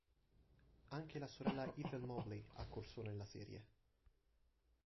Anche la sorella Ethel Mobley ha corso nella serie.